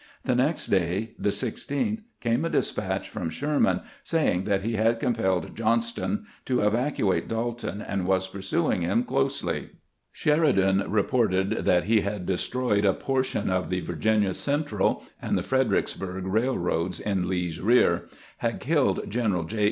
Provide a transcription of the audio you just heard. The next day, the 16th, came a despatch from Sherman saying that he had compelled Johnston to evacuate Dalton and was pursuing him closely. Sheridan reported that he had destroyed a portion of the Virginia Central and the Fredericksburg railroads in Lee's rear, had killed Greneral J.